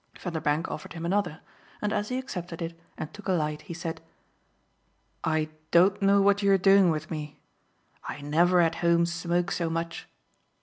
Vanderbank offered him another, and as he accepted it and took a light he said: "I don't know what you're doing with me I never at home smoke so much!"